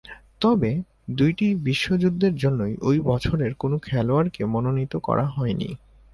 তবে, দুইটি বিশ্বযুদ্ধের জন্য ঐ বছরের কোন খেলোয়াড়কে মনোনীত করা হয়নি।